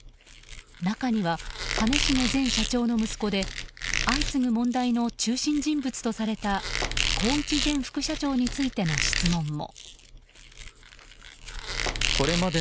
中には兼重前社長の息子で相次ぐ問題の中心人物とされた宏一前副社長についての質問も。